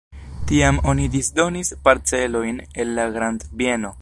Tiam oni disdonis parcelojn el la grandbieno.